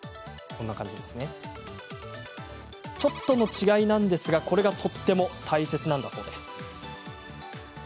ちょっとの違いですが、これがとっても大切なんだそうです。